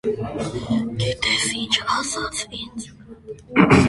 Գիտե՞ք ինչ ասաց ինձ.